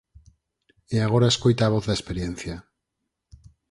E agora escoita a voz da experiencia.